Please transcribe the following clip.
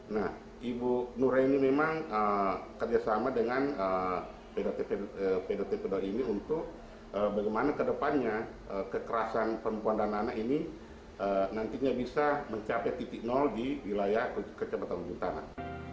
nah ibu gunureni memang kerjasama dengan pdt pdo ini untuk bagaimana ke depannya kekerasan perempuan dan anak ini nantinya bisa mencapai titik nol di wilayah kecematan ujung tanah